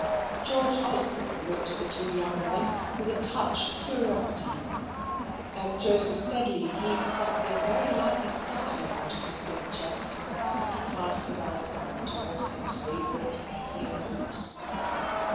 George Osborne looked at the two young women with a touched curiosity; and Joseph Sedley heaved something very like a sigh out of his big chest, as he cast his eyes down towards his favourite Hessian boots.